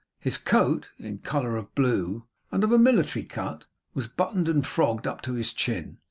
His coat, in colour blue and of a military cut, was buttoned and frogged up to his chin.